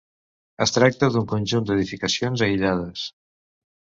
Es tracta d'un conjunt d'edificacions aïllades.